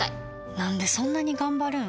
なんでそんなに頑張るん？